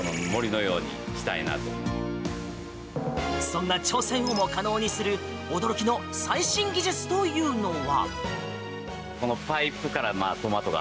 そんな挑戦をも可能にする驚きの最新技術というのは？